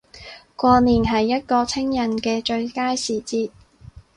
過年係一個清人既最佳時節